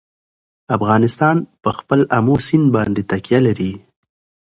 افغانستان په خپل آمو سیند باندې تکیه لري.